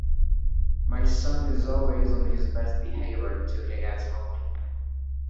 My son is always on his best behaviour until he gets home.